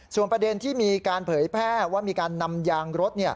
ส่วนประเด็นที่มีการเผยแพร่ว่ามีการนำยางรถ